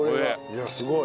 いやすごい。